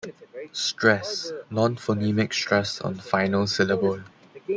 Stress: Nonphonemic stress on final syllable.